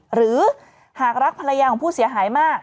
หรือหากรักภรรยาของผู้เสียหายมาก